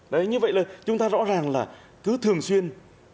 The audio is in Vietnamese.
đấy như vậy là chúng ta rõ ràng là cứ thường xuyên